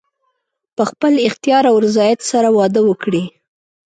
په خپل اختیار او رضایت سره واده وکړي.